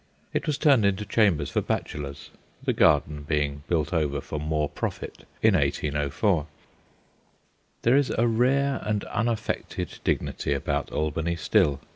It was turned into chambers for bachelors, the garden being built over for more profit, in 1804. There is a rare and unaffected dignity about Albany still.